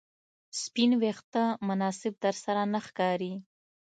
سپین ویښته مناسب درسره نه ښکاري